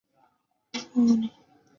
弗雷默里。